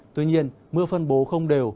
tuy nhiên mưa phân bố không đều